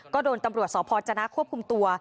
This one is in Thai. ก็โดนตำรวจสพจนะควบคุมตัว